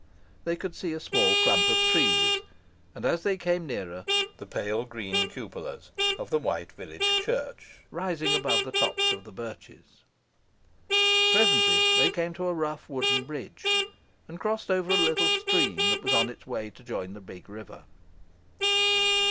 They could see a small clump of trees, and, as they came nearer, the pale green cupolas of the white village church rising above the tops of the birches. Presently they came to a rough wooden bridge, and crossed over a little stream that was on its way to join the big river.